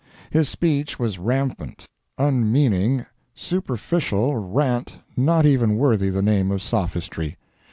His speech was rampant, unmeaning, superficial rant not even worthy the name of sophistry.